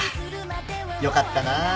よかったなぁ。